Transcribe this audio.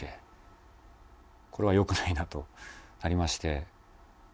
これは良くないなとなりまして。